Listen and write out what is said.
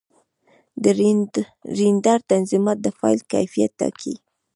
د رېنډر تنظیمات د فایل کیفیت ټاکي.